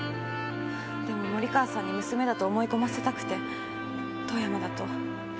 でも森川さんに娘だと思い込ませたくて富山だと。